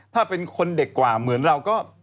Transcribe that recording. ถ้าเป็นคนเด็กกว่าเหมือนเราก็